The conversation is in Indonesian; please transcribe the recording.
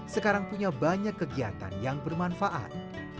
sekarang punya banyak kegiatan yang bermanfaat